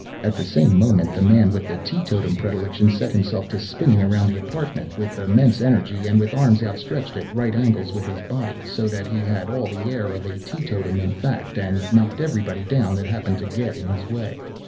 At the same moment, the man with the teetotum predilection, set himself to spinning around the apartment, with immense energy, and with arms outstretched at right angles with his body; so that he had all the air of a tee totum in fact, and knocked everybody down that happened to get in his way.